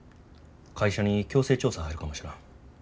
会社に強制調査入るかもしらん。